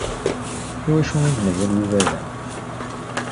Iwacu i d-mazal Yuba da?